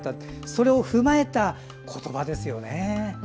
それを踏まえた言葉ですよね。